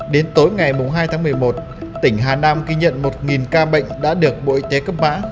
đến tối ngày hai tháng một mươi một tỉnh hà nam ghi nhận một ca bệnh đã được bộ y tế cấp mã